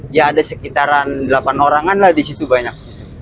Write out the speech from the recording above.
ya ada sekitaran delapan orangan lah di situ banyak